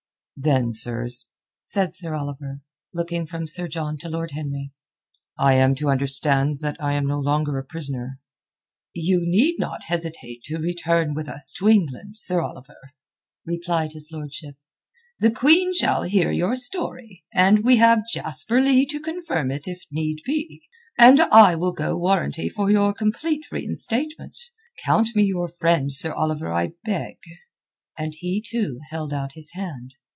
"Then, sirs," said Sir Oliver, looking from Sir John to Lord Henry, "I am to understand that I am no longer a prisoner." "You need not hesitate to return with us to England, Sir Oliver," replied his lordship. "The Queen shall hear your story, and we have Jasper Leigh to confirm it if need be, and I will go warranty for your complete reinstatement. Count me your friend, Sir Oliver, I beg." And he, too, held out his hand.